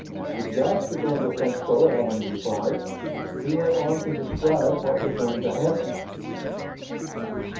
"The Japs are going to think so," Allan replied. He went on to describe what was going to happen.